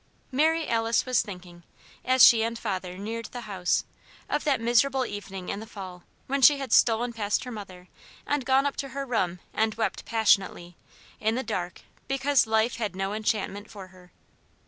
Mary Alice was thinking, as she and Father neared the house, of that miserable evening in the fall when she had stolen past her mother and gone up to her room and wept passionately, in the dark, because life had no enchantment for her.